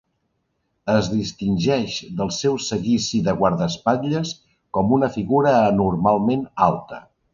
Es distingeix del seu seguici de guardaespatlles com una figura anormalment alta.